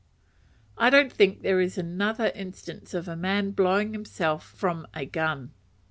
I don't think there is another instance of a man blowing himself from a gun.